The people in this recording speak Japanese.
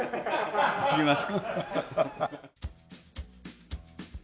いきます？